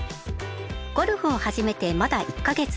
ゴルフをはじめてまだ１か月。